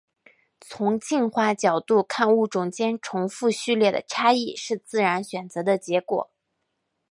从进化角度看物种间重复序列的差异是自然选择的结果。